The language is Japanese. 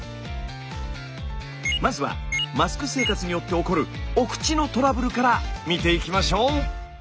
まずはマスク生活によって起こるお口のトラブルから見ていきましょう！